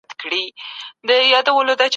جهاد د توبې او اخلاص یو بل نوم دی.